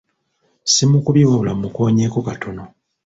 Simukubye wabula mmukoonyeko katono.